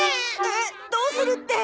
えっどうするって。